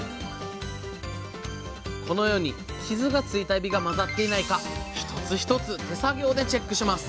このように傷がついたエビが混ざっていないか一つ一つ手作業でチェックします